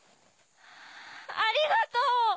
ありがとう！